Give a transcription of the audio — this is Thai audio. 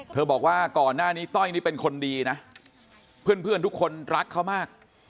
บอกว่าก่อนหน้านี้ต้อยนี่เป็นคนดีนะเพื่อนทุกคนรักเขามาก